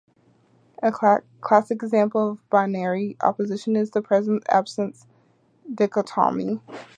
A classic example of a binary opposition is the presence-absence dichotomy.